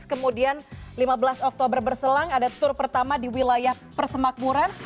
kemudian lima belas oktober berselang ada tur pertama di wilayah persemakmuran